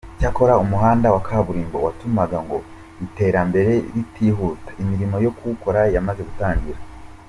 Cyokora umuhanda wa kaburimbo watumaga ngo iterambere ritihuta imirimo yo kuwukora yamaze gutangira.